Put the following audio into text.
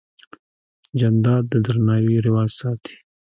جانداد د درناوي رواج ساتي.